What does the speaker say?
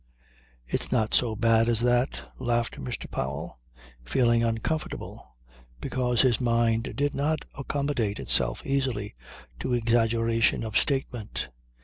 "It's not so bad as that," laughed Mr. Powell, feeling uncomfortable, because his mind did not accommodate itself easily to exaggeration of statement.